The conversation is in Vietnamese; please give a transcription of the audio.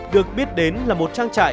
được biết đến là một trang trại